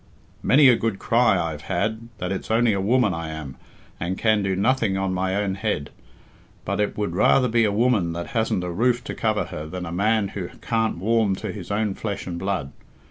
Many a good cry I've had that it's only a woman I am, and can do nothing on my own head. But I would rather be a woman that hasn't a roof to cover her than a man that can't warm to his own flesh and blood.